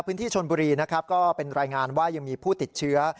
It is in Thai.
พื้นที่ชนบุรีนะครับก็เป็นรายงานว่ายังมีผู้ติดเชื้อ